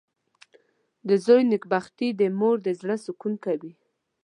• د زوی نېکبختي د مور د زړۀ سکون وي.